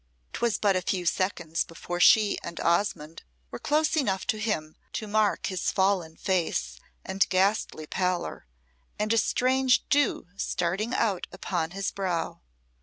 'Twas but a few seconds before she and Osmonde were close enough to him to mark his fallen face and ghastly pallor, and a strange dew starting out upon his brow.